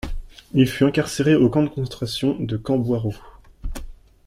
Il fut incarcéré au camp de concentration de Camp Boiro.